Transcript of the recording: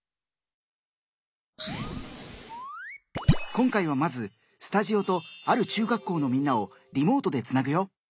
今回はまずスタジオとある中学校のみんなをリモートでつなぐよ！